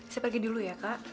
saya pergi dulu ya kak